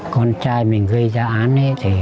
con trai mình gây ra án thì